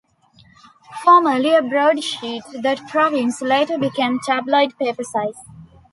Formerly a broadsheet, "The Province" later became tabloid paper-size.